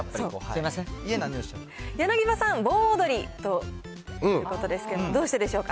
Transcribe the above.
柳葉さん、盆踊りということですけれども、どうしてでしょうか。